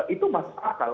itu masih akal